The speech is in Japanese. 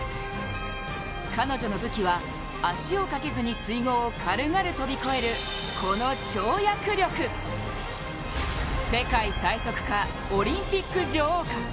彼女の武器は、足をかけずに水濠を軽々跳び越える、この跳躍力世界最速か、オリンピック女王か？